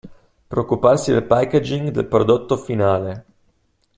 Preoccuparsi del packaging del prodotto finale.